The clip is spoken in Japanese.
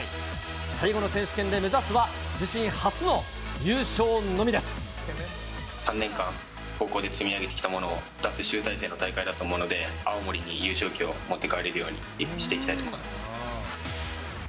最後の選手権で目指すは自身初の３年間、高校で積み上げてきたものを出す集大成の大会だと思うので、青森に優勝旗を持って帰れるようにしていきたいと思います。